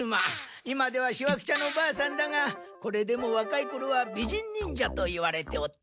今ではしわくちゃのばあさんだがこれでも若い頃は美人忍者と言われておった。